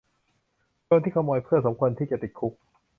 โจรที่ขโมยเพื่อนสมควรที่จะติดคุก